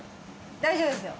大丈夫ですよ。